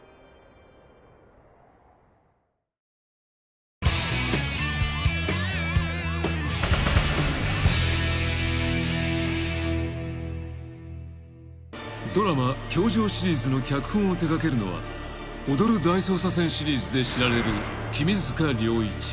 三菱電機［ドラマ『教場』シリーズの脚本を手掛けるのは『踊る大捜査線』シリーズで知られる］